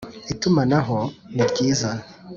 Itumanaho niryiza.